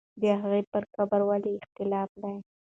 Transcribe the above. د هغې پر قبر ولې اختلاف دی؟